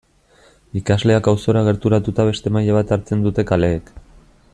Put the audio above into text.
Ikasleak auzora gerturatuta beste maila bat hartzen dute kaleek.